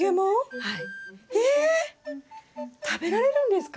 はい。